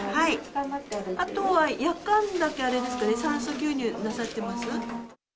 あとは夜間だけ、あれですかね、酸素吸入なさってます？